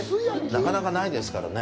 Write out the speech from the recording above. なかなかないですからね。